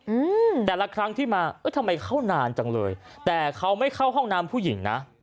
อืมแต่ละครั้งที่มาเอ้ยทำไมเข้านานจังเลยแต่เขาไม่เข้าห้องน้ำผู้หญิงนะ